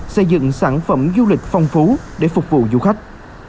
xây dựng sản phẩm du lịch phong phú để phục vụ du khách